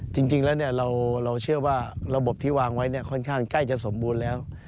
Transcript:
จริงแล้วเราเชื่อว่าระบบที่วางไว้ค่อนข้างใกล้จะสมบูรณ์แล้ว